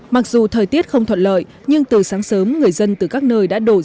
mặc dù thời tiết không thuận lợi nhưng từ sáng sớm người dân từ các nơi đã đổ